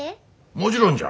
もちろんじゃ。